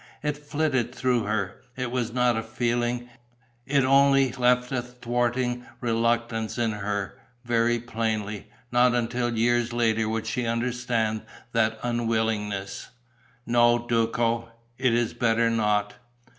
It flitted through her; it was not a feeling; it only left a thwarting reluctance in her, very plainly. Not until years later would she understand that unwillingness. "No, Duco, it is better not."